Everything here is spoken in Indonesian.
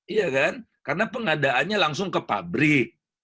iya kan karena pengadaannya langsung ke pabrik